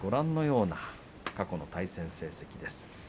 ご覧のような過去の対戦成績です。